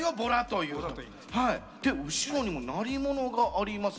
で後ろにも鳴り物があります。